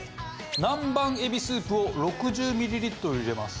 南蛮えびスープを６０ミリリットル入れます。